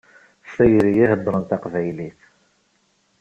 S tayri i heddṛen taqbaylit.